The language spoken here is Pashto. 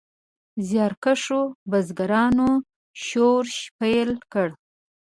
زیارکښو بزګرانو شورش پیل کړ.